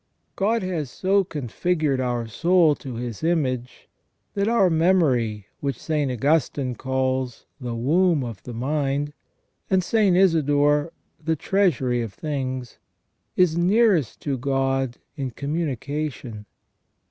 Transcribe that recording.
* God has so configured our soul to His image, that our memory, which St. Augustine calls "the womb of the mind," and St. Isidore " the treasury of things," is nearest to God in commu nication.